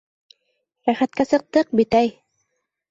Рәхәткә сыҡтыҡ бит, әй!